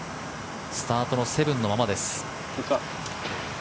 スタートの７のままです。